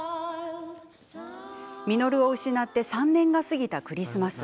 稔を失って３年が過ぎたクリスマス。